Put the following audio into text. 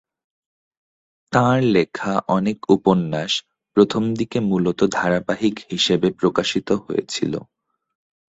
তাঁর লেখা অনেক উপন্যাস প্রথমদিকে মূলত ধারাবাহিক হিসেবে প্রকাশিত হয়েছিল।